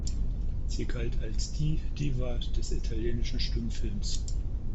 Sie galt als "die" Diva des italienischen Stummfilms.